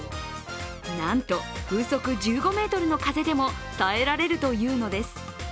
なんと風速１５メートルの風でも耐えられるというのです。